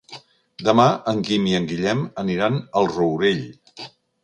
Demà en Guim i en Guillem aniran al Rourell.